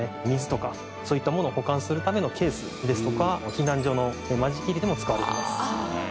水とかそういったものを保管するためのケースですとか避難所の間仕切りでも使われてます。